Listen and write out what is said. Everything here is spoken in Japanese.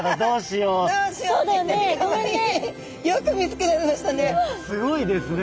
よく見つけられましたね。